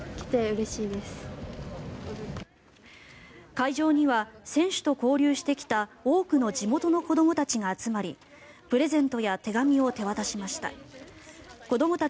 会場には選手と交流してきた多くの地元の子どもたちが集まりプレゼントや手紙を手渡しました。